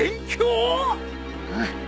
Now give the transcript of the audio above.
うん。